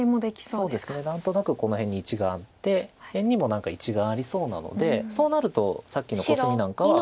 そうですね何となくこの辺に１眼あって辺にも何か１眼ありそうなのでそうなるとさっきのコスミなんかは。